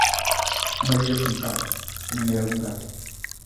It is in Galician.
A maioría son cans, pero tamén hai algún gato.